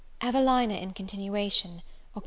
EVELINA IN CONTINUATION. Oct.